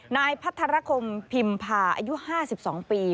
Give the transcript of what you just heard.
นายพัทรคมพิมพาอายุ๕๒ปี